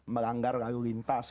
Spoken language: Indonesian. melanggar lalu lintas